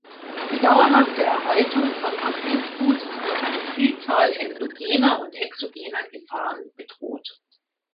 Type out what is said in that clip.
Die dauerhafte Erhaltung von Archivgut ist durch eine Vielzahl endogener und exogener Gefahren bedroht.